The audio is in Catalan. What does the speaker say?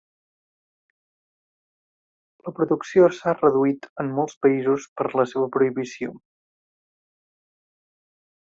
La producció s'ha reduït en molts països per la seva prohibició.